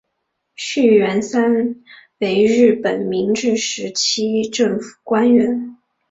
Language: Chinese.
续彦三为日本明治时期政府官员。